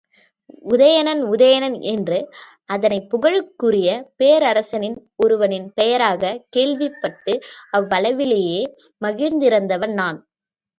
உதயணன், உதயணன் என்று அதைப் புகழுக்குரிய பேரரசன் ஒருவனின் பெயராகக் கேள்விப்பட்டு அவ்வளவிலேயே மகிழ்ந்திருந்தவன் நான்!